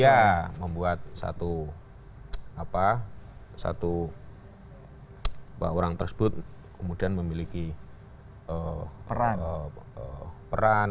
ya membuat satu orang tersebut kemudian memiliki peran